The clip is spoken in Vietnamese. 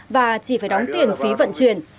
và chỉ phải đóng tiền phí vận chuyển